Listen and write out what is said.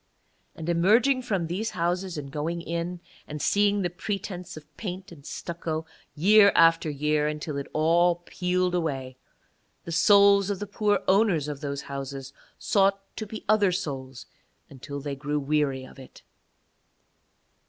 And emerging from these houses and going in, and seeing the pretence of paint and stucco year after year until it all peeled away, the souls of the poor owners of those houses sought to be other souls until they grew weary of it.